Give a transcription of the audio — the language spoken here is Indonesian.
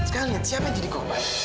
tapi sekarang lihat siapa yang jadi korban